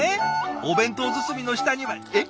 お弁当包みの下にはえっ？